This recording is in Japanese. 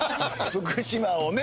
福島をね